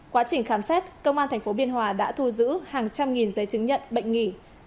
quá trình khám xét công an tp biên hòa đã thu giữ hàng trăm nghìn giấy chứng nhận bệnh nghỉ